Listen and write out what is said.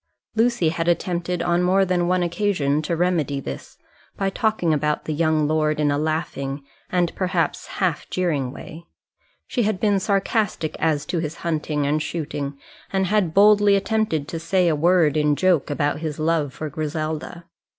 Lucy had attempted on more than one occasion to remedy this, by talking about the young lord in a laughing and, perhaps, half jeering way; she had been sarcastic as to his hunting and shooting, and had boldly attempted to say a word in joke about his love for Griselda.